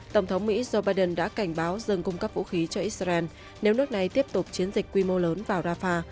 tổng thống mỹ joe biden đã cảnh báo dừng cung cấp vũ khí cho israel nếu nước này tiếp tục chiến dịch quy mô lớn vào rafah